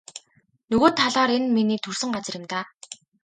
Нөгөө талаар энэ нь миний төрсөн газар юм даа.